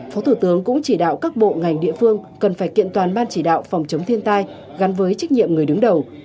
phó thủ tướng cũng chỉ đạo các bộ ngành địa phương cần phải kiện toàn ban chỉ đạo phòng chống thiên tai gắn với trách nhiệm người đứng đầu